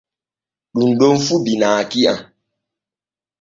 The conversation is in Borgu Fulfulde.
Ɗun ɗon fu binaaki am.